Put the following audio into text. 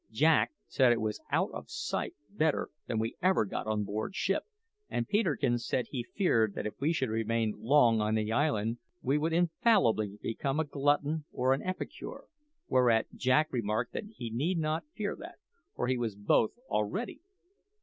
Jack said it was out of sight better than we ever got on board ship; and Peterkin said he feared that if we should remain long on the island he would infallibly become a glutton or an epicure, whereat Jack remarked that he need not fear that, for he was both already!